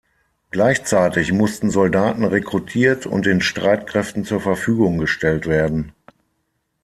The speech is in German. Gleichzeitig mussten Soldaten rekrutiert und den Streitkräften zur Verfügung gestellt werden.